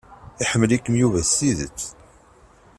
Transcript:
Iḥemmel-ikem Yuba s tidet.